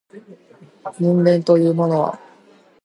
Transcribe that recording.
人間というものは